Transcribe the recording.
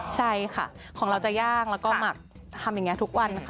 ใช่ค่ะของเราจะย่างแล้วก็หมักทำอย่างนี้ทุกวันค่ะ